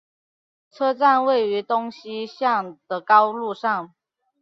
车站位于东西向的高路上。